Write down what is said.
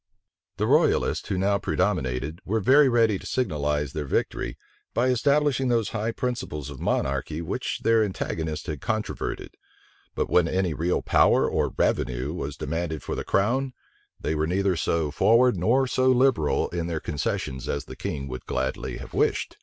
The royalists, who now predominated, were very ready to signalize their victory, by establishing those high principles of monarchy which their antagonists had controverted: but when any real power or revenue was demanded for the crown, they were neither so forward nor so liberal in their concessions as the king would gladly have wished.